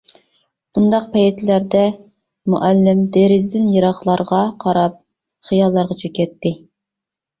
بۇنداق پەيتلەردە مۇئەللىم دېرىزىدىن يىراقلارغا قاراپ خىياللارغا چۆكەتتى.